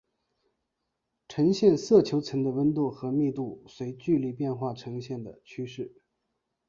呈现色球层的温度和密度随距离变化呈现的趋势。